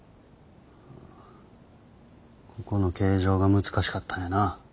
ここの形状が難しかったんやな。